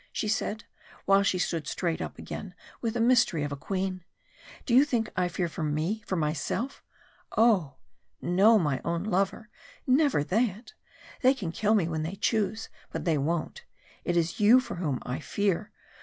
she said, while she stood straight up again with the majesty of a queen. "Do you think I feared for me for myself? Oh! no, my own lover, never that! They can kill me when they choose, but they won't; it is you for whom I fear.